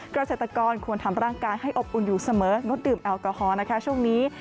เกษตรกรควรทำร่างกายให้อบอุ่นอยู่เสมองดดื่มแอลกอฮอล์นะคะช่วงนี้